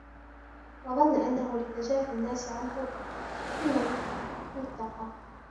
وَظَنَّ أَنَّهُ لِتَجَافِي النَّاسِ عَنْهُ حِمًى يُتَّقَى